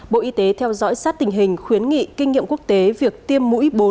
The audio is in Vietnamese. bộ y tế theo dõi sát tình hình khuyến nghị kinh nghiệm quốc tế việc tiêm mũi bốn